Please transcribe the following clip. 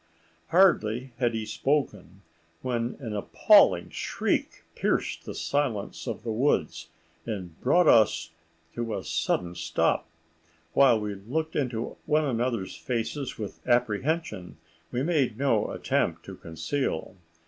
Hardly had he spoken when an appalling shriek pierced the silence of the woods, and brought us to a sudden stop, while we looked into one another's faces with an apprehension we made no attempt to conceal.